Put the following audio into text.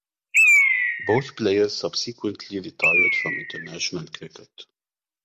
Both players subsequently retired from international cricket.